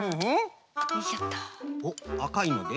おっあかいので？